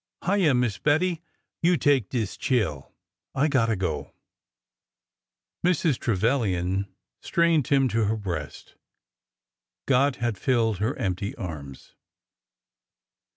" Hyeah, Miss Bettie, you take dis chile. I got to go !" Mrs. Trevilian strained him to her breast. God had filled her empty arms